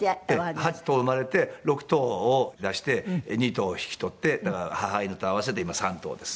８頭生まれて６頭を出して２頭引き取ってだから母犬と合わせて今３頭です。